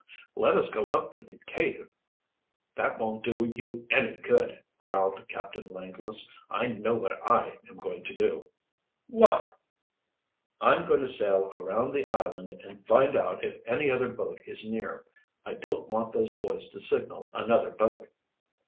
"Let us go up to the cave." "That won't do you any good," growled Captain Langless. "I know what I am going to do." "What?" "I'm going to sail around the island and find out if any other boat is near. I don't want those boys to signal another boat."